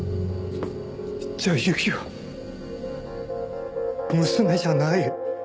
じゃあ由季は娘じゃない？